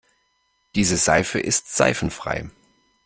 Diese Seife ist seifenfrei.